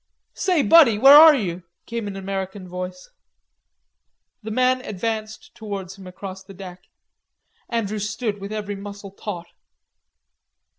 "Say, Buddy, where are you?" came an American voice. The man advanced towards him across the deck. Andrews stood with every muscle taut.